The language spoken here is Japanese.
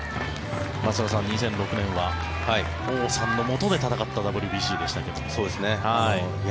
松坂さん、２００６年は王さんのもとで戦ったＷＢＣでしたが。